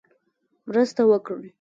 مرسته وکړي.